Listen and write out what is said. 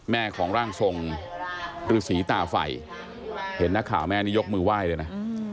แม่ของร่างทรงฤษีตาไฟเห็นนักข่าวแม่นี่ยกมือไหว้เลยนะ